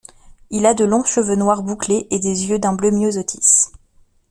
Il a de longs cheveux noirs bouclés et des yeux d'un bleu myosotis.